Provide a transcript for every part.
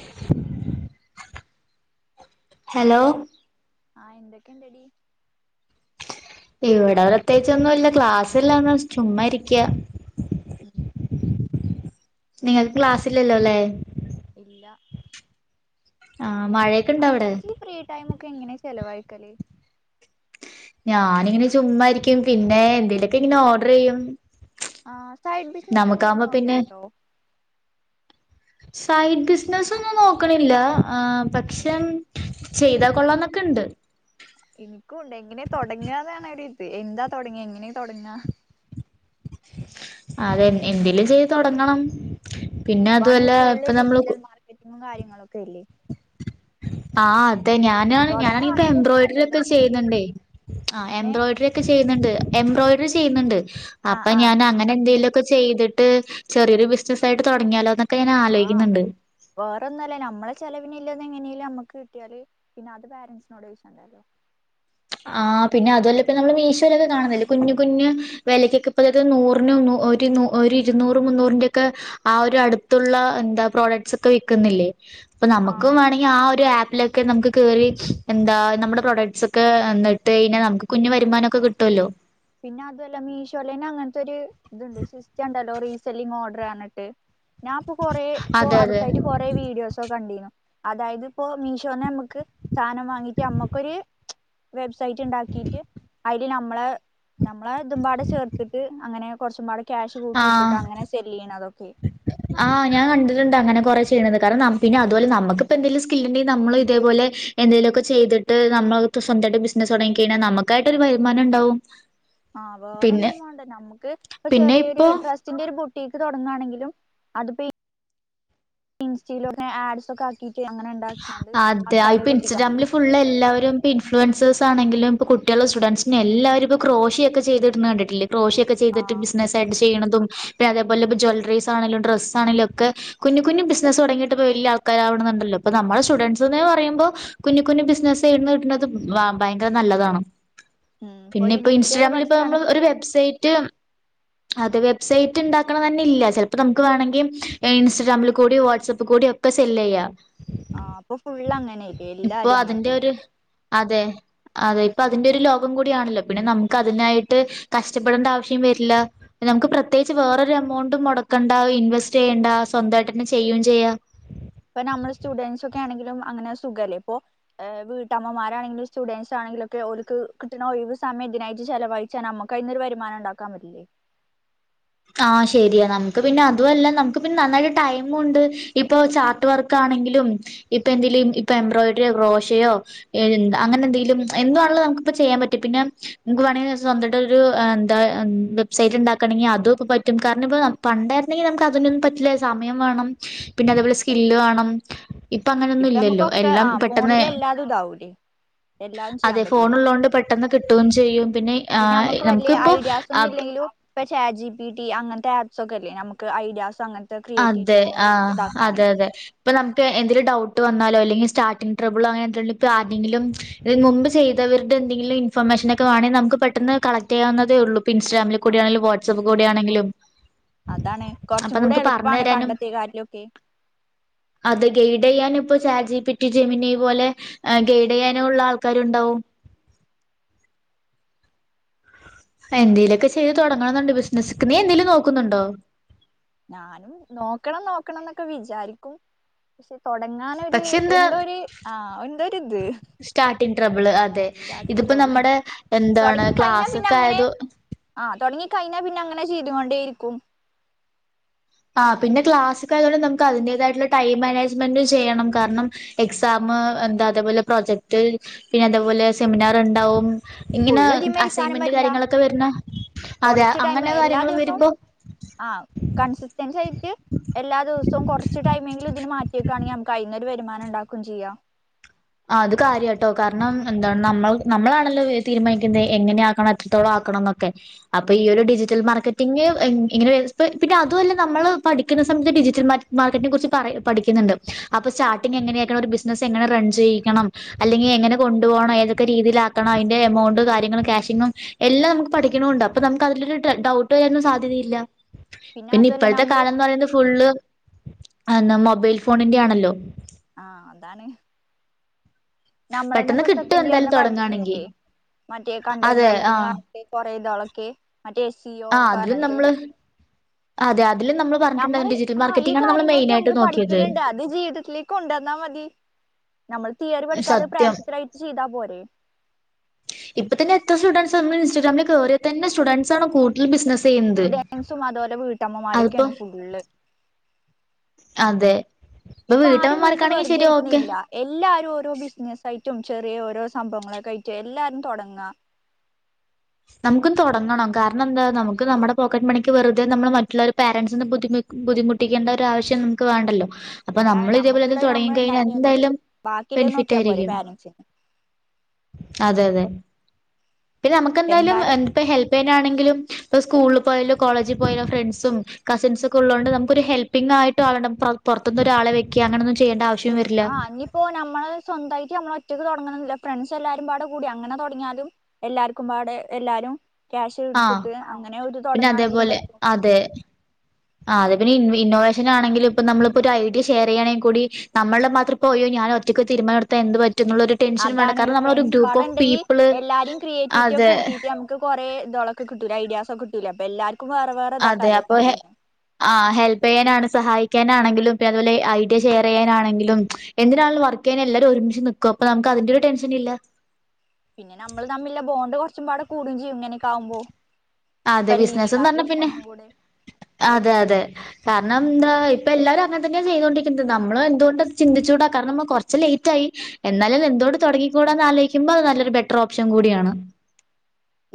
[unintelligible] Hello. ആഹ് എന്തൊക്കെയണ്ടടി? ഇവിടെ പ്രത്യേകിച്ചൊന്നുല്ല ക്ലാസ്ല്ലന്ന ചുമ്മാ ഇരിക്കാ. മ് നിങ്ങൾക്ക് ക്ലാസ്സിലല്ലോ ല്ലേ? ഇല്ല. ആ മഴയൊക്കെ ഇണ്ടാ അല്ല അവിടെ? ഇജ്ജ് ഈ ഫ്രീ ടൈം എങ്ങനെ ചെലവായിക്കല്? ഞാനിങ്ങനെ ചുമ്മാരിക്കും പിന്നെ എന്തെേലൊക്കെ ഇങ്ങനെ ഓർഡർ ചെയ്യും. ആ സൈഡ് ബിസിനസെന്തെിലും നമുക്കാവുമ്പോ പിന്നെ നോക്കലിണ്ടോ? സൈഡ് ബിസിനസോന്നും നോക്കണില്ല ആ പക്ഷെം ചെയ്താ കൊള്ളാന്നൊക്കെ ഇണ്ട്. ക്കണ്ട് എങ്ങനെ തുടങ്ങതാണ് ഒരു ഇത് എന്താ തുടങ്ങ എങ്ങനെ തുടങ്ങ. അതെ എന്തേലും ചെയ്ത് തുടങ്ങണം. ഇപ്പാണെങ്കിൽ ഫുള്ള് ഡിജിറ്റൽ മാർക്കറ്റിങ്ങും കാര്യങ്ങളുമൊക്കെ ഇല്ലേ? ആഹ് അതെ ഞാന് ഞാനാണ ഇപ്പ തൊടങ്ങാണെങ്കിലൊക്കെ എംബ്രോയ്ഡറി ഒക്കെ നല്ലതാണ് ചെയ്യുന്നുണ്ടേ. ആ ഏഹ് എംബ്രോയിയ്ഡറി ഒക്കെ ചെയ്യുന്നുണ്ട് എംബ്രോയിഡറി ചെയ്യുന്നുണ്ട് ആഹ് അപ്പൊ ആഹ് ഞാൻ അങ്ങനെ എന്തെലും ചെയ്തിട്ട് ചെറിയരു ബിസിനസ്സ് ആയിട്ട് തുടങ്ങിയാലോ ഞാൻ ആഹ് ആലോചിക്കുന്നുണ്ട്. വേറെ ഒന്നുല്ല നമ്മളെ ചെലവിനല്ലാത എങ്ങനെയലും നമ്മക്ക് കിട്ടിയല് പിന്നെ അത് പാരന്റ്സിനോട് ചോയ്ച്ചാണ്ടാലോ. ആ പിന്നെ അതുപല്ല ഇപ്പ നമ്മ മീശോരൊക്കെ കാണുന്നില്ലേ കുഞ്ഞു കുഞ്ഞു വിലയ്ക്കൊക്കെ ഇപ്പത് നൂറിനും ഒരു ഇരുന്നൂറ് മുന്നൂറിന്റെ ഒക്കെ ആ ഒരു അടുത്തുള്ള എന്താ പ്രോഡക്ട്സ് ഒക്കെ വിക്കുന്നില്ലേ? അപ്പൊ നമുക്ക ആഹ് വേണമെങ്കിൽ ആ ഒരു ആപ്പിലൊക്കെ നമുക്ക് കേറി എന്താ നമ്മുടെ പ്രൊഡക്ട്സ് എന്നിട്ട് അയിന് നമുക്ക് കുഞ്ഞു വരുമാനം ഒക്കെ കിട്ടുമല്ലോ. പിന്നെ അതുല്ല മീഷോലേന്നെ അങ്ങനത്തെ ഒരു ഇതുണ്ട് സിസ്റ്റം ഉണ്ടല്ലോ റിസെല്ലിങ് ഓർഡർ. ന്നിട്ട്. ഞാൻ ഇപ്പൊ കൊറേ ഇ അതെ അതെ അടുത്തായിട്ട് കൊറേ വീഡിയോസ് കണ്ടിന്നു അതായത് ഇപ്പോ മീഷോന്ന് നമ്മുക്ക് സാധനം വാങ്ങിട്ട് നമ്മുക്കൊരു വെബ് സൈറ്റ് ഇണ്ടാക്കിട്ട് അതില് നമ്മളെ നമ്മളെ ഇതുപാടെ ചേർത്തിട്ട് അങ്ങനെ കുറച്ചും പാ ക്യാഷ് കൂട്ടിയിട്ട് ആഹ് അങ്ങനെ സെല്ല് ചെയ്യണ ആഹ് ഞാൻ കണ്ടിട്ടുണ്ട അങ്ങനെ ചെയ്യണന്നെ അതുവല്ല നമുക്കിപ്പോ എന്തെങ്കിലും സ്ണ്ടെങ്ക നമ്മ ഇതേപോലെ എന്തെലുമെ ചെയ്തിട്ട് [unintelligible] നമ്മ സ്വന്തമായിട്ട് ബിസിനസ് തുടങ്ങി കഴിഞ്ഞൽ നമുക്കായിട്ട് ഒരു വരുമാനിണ്ടാവും. ആഹ് വേറൊന്നും വേണ്ട നമ്മുക്ക് ഇപ്പ പിന്നെ ചെറിയൊരു ഇപ്പോ ഡ്രസ്സിന്റെ ഒരു ബു ടങ്ങയാണെങ്കിലും അതിപ്പോ ഇൻസ്റ്റയിലെ ആഡസ് ഒക്കെ ആക്കി അതെ ഇപ്പ ഇൻസ്റ്റഗ്രാമില് എത്തിക്കാറില്ലേ ഫുൾ എല്ലാവരും ഇ ഇൻഫ്ലുവൻസേഴ ആണെങ്കിലും ഇപ്പ കുട്ടികൾ സ്റ്റുഡൻറ്സെ എല്ലാവും ഇപ്പ ക്രോഷി ഒക്കെ ചെയ്തിടുന്ന് കണ്ടിട്ടില്ലേ? ക്രോഷിയൊക്കെ ഒക്കെ ചെയ്തിട്ട് ആഹ് ബിസിനസ്സയിട്ട്. ചെയ്യുണതും അതുപോലെ ഇ ജ്വല്ലറിസ് ആണെലും ഡ്രസ്സ് ആണെലൊക്കെ കുഞ്ഞ് കുഞ്ഞ് ബിസിനസ്സ് തുടങ്ങയിട്ട വലിയ കരാവണുന്നുണ്ടല്ലോ. അപ്പൊ നമ്മുടെ സ്റ്റുഡന്റ്സ്ന്ന് പറയുമ്പോ കുഞ്ഞുകുഞ്ഞു ബിസിനസ്സ് ഇടന്ന് കിട്ടുന്നത് ഭയങ്കര നല്ലതാണ്. ഉം പിന്നെ ഈ ഇപ്പൊ ഡിഗ്രി ഒക്കെ ഇൻസ്റ്റഗ്രാമിൽ ഇപ്പ നമ്മൾ ഒരു പഠിച്ചാണെങ്കിലും വെബ്സൈറ്റ് അതെ വെബ്സൈറ്റ് ഉണ്ടാക്കണ തന്നെ ഇല്ലാ ചിലപ്പ നമുക്ക് വേണങ്കി ഇൻസ്റ്റഗ്രാമിൽ കൂടി വാട്സ്ആപ്പിൽ കൂടി ഒക്കെ സെല്ലേയ. ആ അപ്പൊ ഫുള് അങ്ങനെ. ഇപ്പൊ എല്ലാരും അങ്ങെ അതിന്റെ തന്നെ. ഒരു അതെ അതെ ഇപ്പൊ അതിന്റെ ഒരു ലോകം കൂടിയണല്ലോ പിന്നെ നമുക്ക് അതിനായിട്ട് കഷ്ടപ്പെടേണ്ട ആവശ്യം വരില്ല. ങ്ങക്ക് പ്രത്യേകിച്ച് വേറരു എമൗണ്ടും മുടക്കണ്ട ഇൻവെസ്റ്റ് ചെയ്യണ്ട സ്വന്തമായിട്ട് തന്നെ ചെയ്യയും ചെയ്യ. ഇപ്പ നമ്മള് സ്റ്റുഡന്റ്സ ഒക്കെ ആണെങ്കിലും അങ്ങനെ സുഖമല്ല ഇപ്പോൾഹ് വീട്ടമ്മമാണെങ്കിലും സ്റ്റുഡൻറ്സ് ആ- ലൊക്കെ ഓൾക്കു കിട്ടുന്ന ഒഴിവ് സമയം ഇതിനായിട്ട് ചലവഴിച്ചാ നമ്മക്ക് അൊരു വരുമാനം ഉണ്ടാക്കാൻ പറ്റില്ലേ? ആഹ ശെരിയ നമുക്ക് പിന്നെ അതു വല്ല നമ്ക്ക് പിന്നെ നന്നായിട്ട് ടൈമ ണ്ട് ഇപ്പൊ ചാർട്ട് വർക്ക് ഇ എന്തങ്കിലുംഇപ്പ എംബ്രോയ്ഡറിയോ ക്റോഷയോ അങ്ങനെ എന്തെങ്കി എറ നമക്ചെയ്യാൻ പറ്റും പിന്നെ നമക്ക് വേണെങ്കി സ്വന്തായിട്ട് ഒര് എന്താവെബ്സൈറ്റ് ണ്ടാക്കണെങ്കിൽ അതും ഇപ്പൊ പറ്റും കാരണം ഇപ്പ പണ്ടായിരുന്നെങ്കിൽ നമുക്ക് അതിനൊന്നും പറ്റില്ല സമയം വേണം പിന്നെ അതേപോലെ സ്കില്ല് വേണം. ഇപ്പൊ അങ്ങനൊന്നും ഇല്ലല്ലോ നമുക്കൊക്കെ എല്ലാം ആ പെട്ടെന്ന് ഫോണില് എല്ലാതും ഇതാവൂലേ എല്ലാതും ചെയ്യാൻ അതെ പറ്റില്ലേ ഫോൺള്ളതോണ്ട് പെട്ടെന്ന് കിട്ടുകയും ചെയ്യും. പിന്നെ ആഹ് നമ്മുക്ക് വലിയ നമുക്കിപ്പോ ഐഡിയാസ് ഒന്നും അപ് ഇല്ലെങ്കിലും ഇപ്പേ ചാചിപിട്ടി അങ്ങനത്തെ ആപ്പ്സ് ഒക്കെല്ലേ നമുക്ക് ഐഡിയാസ് അങ്ങനത്തെ ക്രിയേറ്റിവിറ്റി അതെ അങ്ങനെ ആ ഇതാക്കാന് അതെ അതെ ഇപ്പൊ നമുക്ക് എന്തൊരു ഡൗട്ട് വന്നാലോ അല്ലെങ്കിൽ സ്റ്റാർട്രിങ് ട്രബിള്ളോ അങ്ങന ഇപ്പോ ആരെങ്കിലും ഇത് മുമ്പ് ചെയ്തവരുടെ എന്തെിലും ഇൻഫർമേഷനക്കെവാണെങ്ക ന നമക്ക് പെട്ടന്ന് കളക്ട് ചെയ്യാവുന്നേ ഉള്ളൂ ഇൻസ്റ്റഗ്രമിൽ ആ കൂട ആണെിങ്കിലും വാട്സപ്പ് കൂയാണെങ്കിലും. അതാണ് കുറച്ചും കൂടെ എളുപ്പം അ ഗ [unintelligible] ചാജി പിറ്റി ജെമിന പോലെ ഗൈഡയാനഉള്ള ആൾക്കാരുണ്ടാവകു എന്തെേലുമൊക്കെ ചെയ്ത് തുടങ്ങണ ന്നുണ്ട് ബിസിനസ് നീ എന്തേങ്കലും നോക്കുന്നുണ്ടോ? ക്കെ വിചാരിക്കും. പക്ഷെ തുടങ്ങൻ ഒരു പക്ഷെ എന്താ എന്തോ ഒരു ആ എന്തോ ഇത് സ്റ്റാർട്ടിങ് ട്രബിള് അതെ ഇതിപ്പോ സ്റ്റാർട്ടിംഗ്ട്രേബ്ള് നമ്മുടെ എന്താണ് തൊടങ്ങി കയ്ഞ്ഞാപിന്നെ ക്ലാസ്സൊക്കെ അങ്ങനെ ആയത് ആ തൊടങ്ങി കഴിഞ്ഞാ പിന്നെ അങ്ങനെ ചെയ്തൊണ്ടേയിരിക്കും. ആ പിന്നെ ക്ലാസ്സായതുകൊണ്ട് നമുക്ക് അതിന്റേതായിട്ടുള്ള ടൈം മാനേജ്മെന്റ് ചെയ്യണം കാരണം എക്സാം - എന്താ അതേപോലെ പ്രോജക്ട് പിന്നെ അതേപോലെ സെമിനാർ ഉണ്ടാവും. ഇങ്ങനെ ഫുള്ള് ഇതിമേ ഇരിക്കാനും അസൈൻമെന്റ് പറ്റില്ല കാര്യങ്ങളൊക്കെ വരുന്ന അതെ കുറച്ച് ടൈം അങ്ങനെ എല്ലാ കാര്യങ്ങളും ദിവസവും വരുമ്പോ ആ കൺസറ്റേ സീരിയസായിട്ട് എല്ലാ ദിവസവും കുറച്ച് ടൈമെങ്കിലും ഇതിന് മാറ്റി വെക്കാണങ്കിഞമ്മക്ക് അയിന് വരുമാനം ഉണ്ടാക്കും ചെയ്യാം. ആ അത് കാര്യ കേട്ടോ കാരണം എന്താണ് നമ്മൾ നമ്മളാണല്ലോ തീരുമാനിക്കുന്നത് എങ്ങനെയ ആക്കണം എത്രത്തോളം ആക്കണം എന്നൊക്കെ? ഓക്കെ അപ്പൊ ഈ ഉം ഒരു ഡിജിറ്റൽ മാർക്കറ്റിംഗ്‌ ഇങ്ങനെ പിന്നെ അതുമല്ല നമ്മൾ പഠിക്കുന്ന സമയത്ത് ഡിജിറ്റൽ മാർക്കറ്റിനെ കുറിച്ച് പറ പഠിക്കുന്നുണ്ട് ഐ അപ്പൊ സ്റ്റാർട്ടിംഗ് എങ്ങനെയക്കണം ഒരു ബിസിനസ് എങ്ങന റൺ ചെയും. അല്ലെങ്കിൽ എങ്ങനെ കൊണ്ടു പോണം ഏതൊക്കെ രീതിയിലക്കോ അതിന്റെ എമൗണ്ട് കാര്യങ്ങളും ക്യാഷിങ്ങും എല്ലാം പഠിക്കണണ്ട് അപ്പ നമുക്ക് അതിലരു ഡൗട്ട് വരാനും സാധ്യതയില്ല. പിന്നെ അതുവല്ല ഇപ്പോഴത്തെ നമ്മള് കാലംന്ന് പറയുന്നത് ഫുള്ള് അ മൊബൈൽ ഫോണിന്റെ ആണല്ലോ? ആ അതാണ് നമ്മളന്നെ പെട്ടെന്ന് ഇപ്പൊ കിട്ടും സെക്കൻഡ് എന്തായാലും തുടങ്ങുകയാണെങ്കിൽ ഇയറിന്പഠിച്ചിന്നില്ലേ? മറ്റേ കണ്ടന്റ് അതെ ആ റൈറ്റിംഗിട്ട് കൊറെേ ഇതാളൊക്കെ മറ്റേ എസ് ജിഒ ആഹ് അതിലും പറഞ്ഞാണ്ട് നമ്മള് അതെ അതെ നമ്മള് ആ ഈ മെയിൻ കാര്യങ്ങളൊക്കെ ആയിട്ട് നമ്മള് നോക്കിയത് പഠിക്കുന്നുണ്ട് അത് ജീവിതത്തിലേക്ക് കൊണ്ടുവന്നാ മതി. നമ്മൾ തീയറി പടുക്കാതെ സത്യം പ്രാക്ടിക്കലായിട്ട് ചെയ്താ പോരെേ? ഇപ്പ തന്നെ എത്ര സ്റ്റുഡൻറ്സ് ഇൻസ്റ്റിഗ്രമിൽ കയറിയ തന്നെ സ്റ്റുഡൻറ്സ് ആണ് കൂടുതൽ ബിസിനസ് ചെയ്യുന്നത് സ്റ്റുഡൻസും അതുപോലെ വീട്ടമ്മമാരൊക്കെയാണ് അതിപ്പം ഫുള്ള് - അതെ ഇപ്പൊ ആരും വീട്ട് വീട്ടമ്മമാർക്കാണെങ്കിൽ വെറുതെ ശരി ഓക്കെ ഇരിക്കുന്നില്ല എല്ലാരും ഓരോ ബിസിന ആയിട്ട് ചറ്റും ചെറിയ ഓരോ സംഭവങ്ങളൊക്ക ആട്ട് എല്ലാരും തെടങ്ങ നമുക്കും തുടങ്ങണം കാരണം എന്താ നമുക്ക് നമ്മുടെ പോക്കറ്റ് മണിക്ക് വറുതെ നമ്മൾ മറ്റുള്ളൊരു പാരൻറിസിന്റെ ബുദ്ധിമി - ബുദ്ധിമുട്ടിക്കേണ്ട ഒരു ആശ്യം നമുക്ക് വേണ്ടല്ലോ? അപ്പൊ അതാണ് നമ്മൾ ഇതേപോലെത് നമ്മുക്കുള്ളത് തുടങ്ങി നമ്മൾ കഴിഞ്ഞാ ഉണ്ടാക്കിയാലും എന്തായാലും ബാക്കിയുള്ളത് ബെനിഫിറ്റ് നോക്കിയാ പോരെ ആയിരിക്കും. പാരൻറ്സിന് അതെ അതെ നുക്ക എന്തായാലും എ ഹെൽപ് ചെയ്യൻാണെങ്കിലും. ഇപ്പ സ്കൂളിൽ പോയാലോ കോളേജിൽ പോയാലോ ഫ്രണ്ട്സും കസിൻസ് ഒക്കെ ഉള്ളതൊണ്ട് നമുക്ക് ഒരു ഹെൽപ്പിംഗ ആയിട്ട് ആവണം പൊർ പുറത്തു ഒരാളെ വെക്ക അങ്ങനൊ ആ അന്നപ്പോ നമ്മൾ സ്വന്തമായിട്ട് നമ്മള ഒറ്റയ്ക്ക് തുട അങ്ങന ഫ്രണ്ട്സ് എല്ലാവരും ഒരുപാട് കൂടി അങ്ങനെ തുടങ്ങിയാലും എല്ലാർക്കും പാട് എല്ലാവരും ക്യാഷ് ആഹ് എടുത്തിട്ട് അങ്ങനെ ഒരു പിന്നെ തുടങ്ങാണെങ്കിലും അതേപോലെ പറ്റും അത് പിന്നെ ഇന്നോവേഷൻ ആണങ്കിലും ഇപ്പ നമ്മളിപ്പോ ഒരു ഐഡി ഷെയർ ചെയ്യണങ്കിൽ കൂടി നമ്മളുടെ മാത്രം പോയോ ഞാൻ ഒറ്റയ് തീരുമാനത്ത എന്ത് എന്നുള്ള ഒരു ടെൻഷനും വേണ്ട അതാണ് കാരണം നമ്മളൊരു ഫ്രണ്ട്സ് ഗ്രൂപ്പ് ഓഫ് പാടുണ്ടെങ്കിൽ പീപ്പിള് എല്ലാവരും ക്രിയേറ്റിവിറ്റി ഒക്കെ അതെ കൂട്ടിട്ട് നമുക്ക് കൊറെേ കണക്ക് കിട്ടൂലേ ഐഡിയസ് ഒക്കെ കിട്ടൂലേ അപ്പോ എല്ലാവരും അതെ അപ്പൊ ആ ഹെൽപ് ചെയ്യാനാണ് സഹായിക്ക [inaudible] ആണെങ്കിലും അതുപോല ഐഡിയ ഷെയർ ചെയ്യാനാണെങ്കിൽ എന്തിനാന്നെലും വർക്ക് ചെയ്യാൻ എല്ലാവരും ഒരുമിച്ച് നിൽക്കും അപ്പോ നമ്മുക്ക് അത്ര അതിന്റെ ഒരു ടെൻഷൻ ഇല്ല പിന്നെ നമ്മൾ തമ്മിലുള്ള ബോണ്ട് കുറച്ചുംപാടെ കൂടുകയും ചെയ്യും ഇങ്ങനെയൊക്കാവുമ്പോ അതെ ബിസിനസെന്ന് പറഞ്ഞ പിന്നെ ഒന്നുകൂടെ അതെ അതെ കാരണം എന്ത ഇപ്പൊ എല്ലാവരും അങ്ങനെ തന്നെയ ചെയ്തൊണ്ടിരിക്കുന്നത് നമ്മൾ എന്തുകൊണ്ട് ചിന്തിച്ചു കൂടാ കാരണം നമ്മൾ കുറച്ച് ലേറ്റായി എന്നാലും എന്തുകൊണ്ട് തുടങ്ങിക്കൂടാന്ന് ആലോചിക്കുമ്പോ അത് നല്ലൊരു ബെറ്റർ ഓപ്ഷൻ കൂടിയാണ്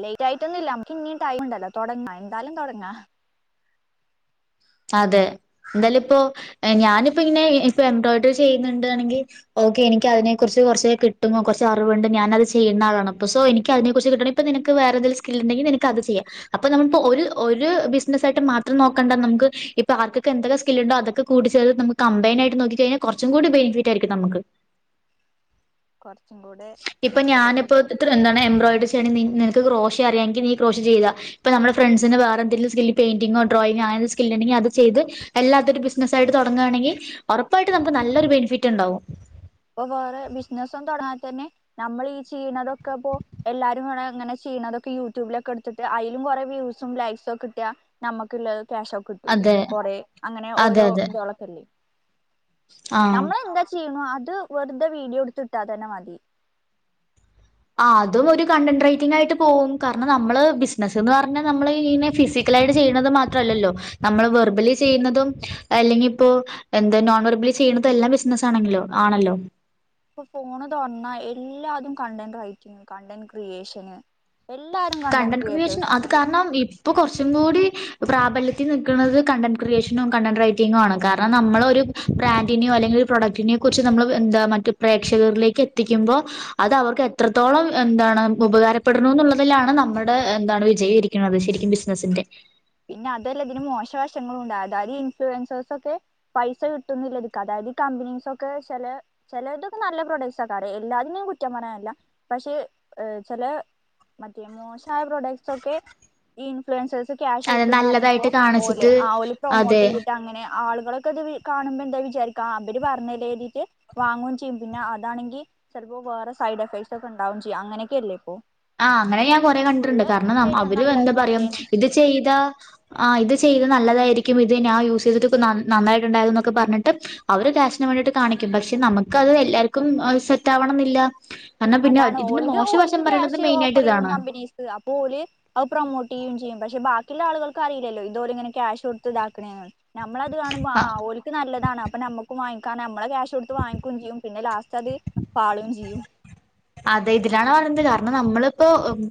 ലേറ്റ് ആയിട്ടൊന്നും ഇല്ല നമ്മുക്ക് ഇനിയും ടൈം ഉണ്ടല്ലോ തുടങ്ങ എന്തായാലും തുടങ്ങാ അതെ എന്തായാലും ഇപ്പോ ഞാനിപ്പോ പിന്നെ ഇപ്പ എംബ്രോയ്ഡറി ചെയ്യുന്നുണ്ട് [inaudible] ഓക്കെ എനിക്ക് അതിനെ കുറിച്ച് കുറച്ച് കിട്ടുന്നു കുറച്ച് അറിവുണ്ട് ഞാാനത് ചെയുന്ന ആളാണ് ഇപ്പോ സൊ എനിക്ക് അതിനെ കുറിച്ച് കിട്ടണം ഇപ്പോ നിനക്ക് വേറെ എന്തെങ്കിലും സ്കിൽ ഉണ്ടെങ്കിൽ നിനക്ക് അത് ചെയ്യാം അപ്പ നമ്മുക്ക് ഒരു ബിസിനസ് ആയിട്ട മാത്രം നോക്കണ്ട നമുക്ക് ഇപ്പോ ആർക്ക് എന്തൊക്കെ സ്കിൽ ഉണ്ടോ കൂടിച്ചേർത്ത്ച്ച നമുക്ക് കമ്പൈൻ ആയിട്ട് നോക്കി കഴിഞ്ഞാ കുറച്ചും കൂ ബെനിഫറ്റ് ആയിരിക്കും നമ്മുക്ക് [inaudible] കുറച്ചും കൂടെ ഇപ്പൊ ഞാനിപ്പോ മെച്ചപ്പെട്ടത് ഇത്ര എന്താണ് എംബ്രോയിഡറി ചെയ്യണ നിനക്ക് [inaudible] അറിയാമെങ്കിൽ നീ അത് ചെയ്യുക ഇപ്പ നമ്മുടെ ഫ്രണ്ട്സിന് വേറെന്തങ്കിലും സ്കിൽ പെയിന്റിങ്ങോ ഡ്രോയിങ്ങോ അങ്ങനെ സ്കിൽ അത് ചെയ്ത് അല്ലാത്തൊരു ബിസിനസ് ആയിട്ട് തുടങ്ങുകയാണെങ്കിൽ ഉറപ്പായിട്ട് നമുക്ക് നല്ലൊരു ബെനിഫിറ്റ് ഉണ്ടാവും ഇപ്പ വേറെ ബിസിനസും തുടങ്ങാ തന്നെ നമ്മൾ ഈ ചെയ്യുന്നതൊക്കെ ഇപ്പോ എല്ലാവരും അങ്ങനെ ചിലതൊക്കെ യൂട്യൂബിലൊക്കെ അടിച്ചിട്ട് അതിലും കുറെേ വ്യൂസും ലൈക്സും ഒക്കെ കിട്ടാ നമുക്ക് ഉള്ളത് ക്യാഷക്കെ കിട്ടൂല്ലേ അതെ കൊറെ അങ്ങനെ അതെ ഓരോ അതെ ഇതോളോക്കേയുണ്ട് ആഹ് നമ്മളും എന്താ ചെയ്യണം അ വെറുതെ വീഡിയോ എടുത്തിട്ടാ തന്നെ മതി ആ അതും ഒരു കണ്ടന്റ്റേറ്റി ആയിട്ട് പോകും കാരണം നമ്മൾ ബിസിനസ് പറഞ്ഞ നമ്മ [inaudible] ചെയലും മാത്രമല്ലല്ലേ നമ്മൾ [inaudible] ചെയുന്നതും അല്ലെങ്കിൽ ഇപ്പോൾ എന്താ [inaudible] ചെയ്യണതും എല്ലാം ബിസിനസ്സ് ആണെങ്കിലോ ആണല്ലോ ഇപ്പൊ ഫോൺ തുറന്നാ എല്ലാവരും കണ്ടന്റ് റൈറ്റിങ് കണ്ടന്റ് ക്രിയേഷന് എല്ലാരും കണ്ടന്റ് കണ്ടൻ്റ് ക്രിയേഷൻ ക്രിയേറ്റേഴ്സ് ആണ് അത് കാരണം ഈ ഇപ്പോൾ കുറച്ചും കൂടി പ്രാബല്യത്തിൽ നിൽക്കുന്നത് കണ്ടന്റ് ക്രിയേഷനും കണ്ടന്റ് റൈറ്റിങ്ങു ആണ് കാരണം നമ്മളൊരു ബ്രാൻഡിനെയോ അല്ലെങ്കിൽ പ്രൊഡക്റ്റിനെ കുറിച്ച് നമ്മൾ എന്താ മറ്റ് പ്രേക്ഷകരിലേക്ക് എത്തിക്കുമ്പോ അത് അവർക്ക് എത്രത്തോളം എന്താണ് ഉപകാരപ്പെടുന്നുള്ളത് ഇനിലാണ് നമ്മുടെ എന്താണ് വിജയം ഇരിക്കുന്നത് ശരിക്കും ബിസിനസിന്റെ പിന്നെ അതെല്ല ഇതിന് മോശവശങ്ങളും ഉണ്ട് അതായത് ഇൻഫ്ലുവൻസേഴസ് ഒക്കെ പൈസ കിട്ടുന്നില്ല അതായത് ഈ കമ്പനീസ് ഒക്കെ ചില ചിലതൊക്കെ നല്ല പ്രൊഡക്ട് സാ ഒക്കെ എല്ലാത്തിനെയും കുറ്റം പറയാനല്ല പക്ഷേ ചില മറ്റ മോശമായ പ്രൊഡക്ട്സ് ഒക്കെ ഈ ഇൻഫ്ലുവൻസഴസ് ക്യാഷ് ക്യാഷ് അത് കിട്ടുമോന്ന് അറിയുമ്പോ നല്ലതായിട്ട് കാണിച്ചിട്ട് അവർ അതെ പ്രമോട്ട് ചെയ്തിട്ട് അങ്ങനെ നിങ്ങൾ കാണുമ്പോ എന്താ വിചാരിക്കാം അവർ പറഞ്ഞെ എഴുതിട്ട് വാങ്ങുകയും ചെയ്യും പിന്നെ അതാണെങ്കിൽ ഇപ്പോ വേറെ സൈഡ് എഫക്ട്സ് ഒക്കെ ഉണ്ടാവുകയും ചെയ്യും അങ്ങനൊക്കെയല്ല ഇപ്പോ ആ അങ്ങനെ ഞാൻ കൊറെ കണ്ടിട്ടുണ്ട് കാരണം അവർ ശരിയൊന്നും അല്ല എന്താ അതൊന്നും പറയാ അല്ലേനും ഇത് ചെയ്ത ആ ഇത് ചെയ്ത് നല്ലതായിരിക്കും ഇത് ഞാൻ യൂസ് ചെയ്തിട്ടൊക്കെ നന്നായിട്ടുണ്ടായത് എന്നൊക്കെ പറഞ്ഞിട്ട് അവർ ക്യാഷി ന് വേണ്ടിട്ട് കാണിക്കും പക്ഷെ നമുക്കത് എല്ലാർക്കും സെറ്റ് ആവണം എന്നില്ല കാരണം പിന്നെ ഇതിന്റെ മോശവശം പറയണത് [unintelligible] മെയിനായിട്ട് ഓഫറെയ്യും ഇതാണ്. കമ്പനിസ് അപ്പോ ഓല് അത് പ്രൊമോട്ട് ചെയുകയും ചെയ്യും പക്ഷേ ബാക്കിയുള്ള ആളുകൾക്ക് അറിയില്ലോ ഇതു ഓരിങ്ങനെ ക്യാഷ് കൊടുത്ത് ഇതാക്കണെന്ന് നമ്മളത് കാണുമ്പോ ആ ഓല്ക്ക് നല്ലതാണ് അപ്പൊ നമ്മുക്ക് വാങ്ങി ക്കാം നമ്മളെ ക്യാഷ് കൊടുത്ത് വാങ്ങിക്കുകയും ചെയ്യും പിന്നെ ലാസ്റ്റ് അത് പാളും ചെയ്യും. അതെ ഇതിലാണ് പറയുന്നത് കാരണം നമ്മളിപ്പോ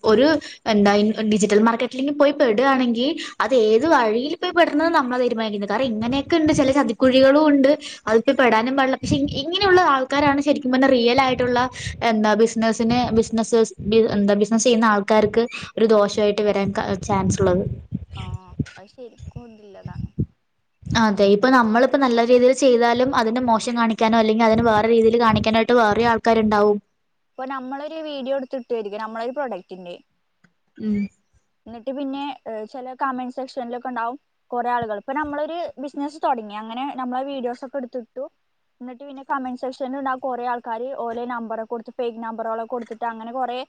ഒരു എന്താ ഡിജിറ്റൽ മാർക്കറ്റിലിങ്ങ് പോയി പെടുകയാണെങ്കിൽ അത് ഏത് വഴിയിൽ പോയി പെടുന്നത് നമ്മളെ തീരുമാനിക്കുന്നത് കാരണം ഇങ്ങനെയൊക്കെ ഇണ്ട് ചെല ചതിക്കുഴികളും. ണ്ട് അതി പോയ്‌ പെടാനും പാടില്ല പക്ഷെ ഇങ്ങനെയുള്ള ആൾക്കാരാണ് ശരിക്കും പറഞ്ഞറിയലാആയിട്ടുള്ള എന്താ ബിസിനസിന് ബിസിനസ് എന്താ ബിസിനസ്സ് ചെയ്യുന്ന ആൾക്കാർക്ക് ഒരു ദോഷായിട്ട് വരാൻ കാര ചാൻസ് ഒള്ളത്. ആഹ് അ ശരിക്കും ല്ലതാണ്. അതെ ഇപ്പൊ നമ്മളിപ്പോ നല്ല രീതിയിൽചെയ്താലും അതിന്റെ മോശം കാണിക്കാനോ അല്ലെങ്കിൽ അതിന് വേറെ രീതിയിൽ കാണിക്കാനോ യിട്ട് വേറെ ആൾക്കാരുണ്ടാവും. ഇപ്പൊ നമ്മളൊരു വീഡിയോ എടുത്തിട്ടുയിരിക്കും നമ്മളെ ഒരു പ്രൊഡക്ടിന്റെ ഉം എന്നിട്ട് പിന്നെ ചില കമന്റ് സെക്ഷനിലൊക്കെ ഉണ്ടാവും കുറെ ആളുകൾ ഇപ്പ നമ്മളൊരു ബിസിനസ്സ് തുടങ്ങിയ അങ്ങനെ നമ്മളെ വീഡിയോസ് ഒക്കെ എടുത്തിട്ടു. എന്നിട്ട് പിന്നെ കമന്റ് സെക്ഷനിൽ ഉണ്ടാ കുറേ ആൾക്കാര് ഓലെ നമ്പറക്കെ കൊടുത്ത് ഫേക്ക് നമ്പറോള് കൊടുത്തിട്ട് അങ്ങനെ കൊറെ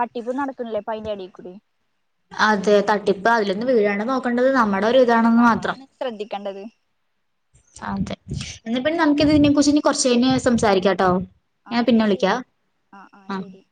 തട്ടിപ്പ് നടക്കണില്ലേ പ്പഅയിന്റെ എടേൽ കൂടി. അതെ തട്ടിപ്പ്‌ അതിലൊന്ന് വീഴാണ്ട് നോക്കേണ്ടത് നമ്മുടെ ഒരു ഇതാണെന്ന് മാത്രം. ക്കണ്ടത് അതെ എന്നപിന്നെ നമുക്കിതിനെ കുറിച്ച് ഇനി കുറച്ച് കഴിഞ്ഞ് സംസാരിക്കാട്ടോ. ആ ഞാൻ എന്നാ പിന്നെ ശരി വിളിക്കാം ആഹ് ആഹ് ആ ശരി.